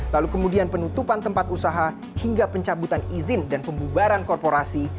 lalu kemudian penutupan tempat usaha hingga pencabutan izin dan pembubaran korporasi